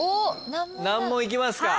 難問いきますか？